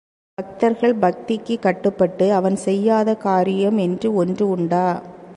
பக்தர்கள் பக்திக்குக் கட்டுப்பட்டு அவன் செய்யாத காரியம் என்று ஒன்று உண்டா?